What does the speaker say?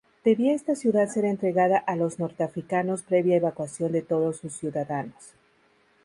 Debía esta ciudad ser entregada a los norteafricanos previa evacuación de todos sus ciudadanos.